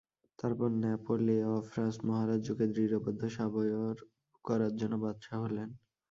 তারপর ন্যাপোলেঅঁ ফ্রাঁস মহারাজ্যকে দৃঢ়বদ্ধ সাবয়ব করবার জন্য বাদশা হলেন।